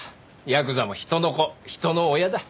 ヤクザも人の子人の親だ。